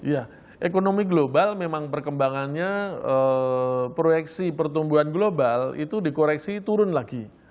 ya ekonomi global memang perkembangannya proyeksi pertumbuhan global itu dikoreksi turun lagi